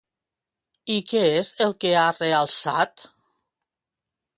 I què és el que ha realçat?